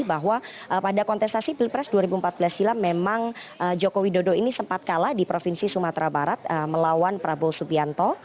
bahwa pada kontestasi pilpres dua ribu empat belas silam memang joko widodo ini sempat kalah di provinsi sumatera barat melawan prabowo subianto